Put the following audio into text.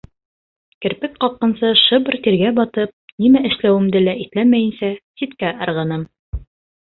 Керпек ҡаҡҡансы шыбыр тиргә батып, нимә эшләүемде лә иҫләмәйенсә, ситкә ырғыным...